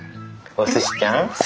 おすしちゃん。